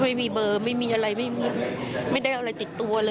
แล้วแบบเจาะหน้ามันซึ่งดี